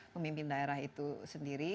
pemimpin daerah itu sendiri